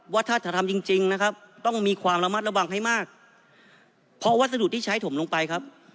วัดทรายทำจริงต้องมีความระมัดระบังให้มากเพาะวัสดุที่ใช้ถมลงไป